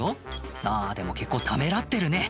あぁでも結構ためらってるね